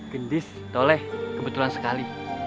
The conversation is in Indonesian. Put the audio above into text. gendis toleh kebetulan sekali